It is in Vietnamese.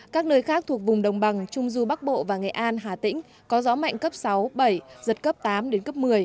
các nơi khác thuộc vùng đồng bằng trung du bắc bộ và nghệ an hà tĩnh có gió mạnh cấp sáu bảy giật cấp tám đến cấp một mươi